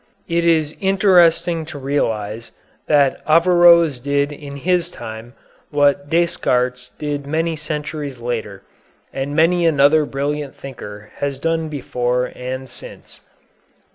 It is interesting to realize that Averroës did in his time what Descartes did many centuries later, and many another brilliant thinker has done before and since.